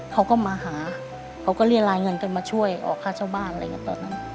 เค้าก็มาหาเขาก็เรียนลายเงินกันมาช่วยออกข้าเช่าบ้านตอนนั้น